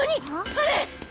あれ。